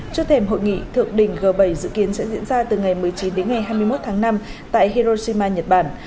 trước thềm hội nghị thượng đỉnh g bảy dự kiến sẽ diễn ra từ ngày một mươi chín đến ngày hai mươi một tháng năm tại hiroshima nhật bản